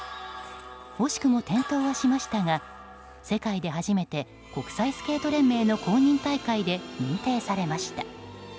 惜しくも転倒はしましたが世界で初めて国際スケート連盟の公認大会で認定されました。